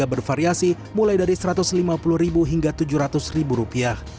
bervariasi mulai dari rp satu ratus lima puluh hingga rp tujuh ratus